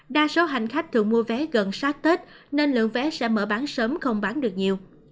đa số hành khách thường mua vé gần sát tết nên lượng vé sẽ mở bán sớm không bán được nhiều